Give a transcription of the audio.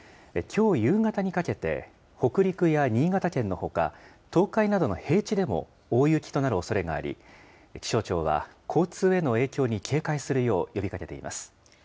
きょう夕方にかけて、北陸や新潟県のほか、東海などの平地でも大雪となるおそれがあり、気象庁は交通への影響に警戒するよう呼びかけています。